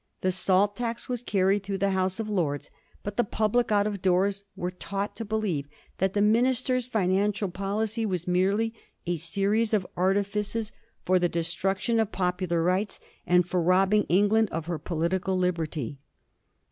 The salt tax was carried through the House of Lords ; but the public out of doors were taught to believe that the minister's financial policy was merely a series of artifices for the destruction of Digiti zed by Google 1733 'A VERY TERRIBLE AFFAIR.' 413 popular rights, and for robbing England of her politi cal liberty.